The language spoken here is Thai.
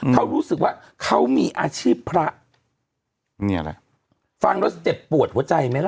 เขารู้สึกว่าเขามีอาชีพพระเนี่ยอะไรฟังแล้วเจ็บปวดหัวใจไหมล่ะ